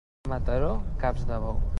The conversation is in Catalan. A Mataró, caps de bou.